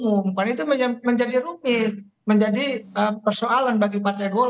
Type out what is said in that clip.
umumkan itu menjadi rumit menjadi persoalan bagi partai golkar